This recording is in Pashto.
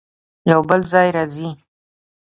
يو بل ځای راځي